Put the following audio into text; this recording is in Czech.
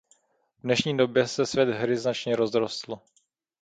V dnešní době se svět hry značně rozrostl.